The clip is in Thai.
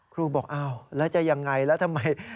ครูบอกอ้าวแล้วจะยังไงแล้วทำไม